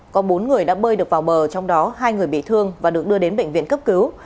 có bốn người đã bơi được vào bờ trong đó hai người bị thương và được đưa đến bệnh viện cấp cứu